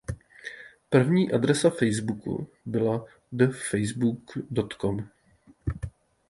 První adresa Facebooku byla thefacebook.com.